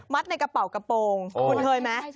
ในกระเป๋ากระโปรงคุณเคยไหม